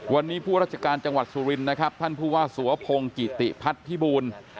วันนี้ผู้ราชการจังหวัดสุรินทร์นะครับท่านผู้ว่าสวพงศ์กิติพัฒน์พิบูล